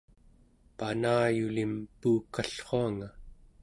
panayulim puukallruanga